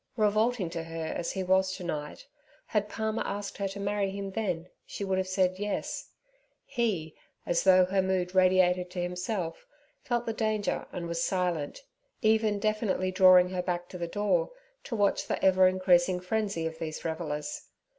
Revolting to her as he was tonight, had Palmer asked her to marry him then, she would have said 'Yes.' He, as though her mood radiated to himself, felt the danger and was silent, even definitely drawing her back to the door to watch the ever increasing frenzy of these revellers.